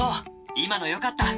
今のよかった」。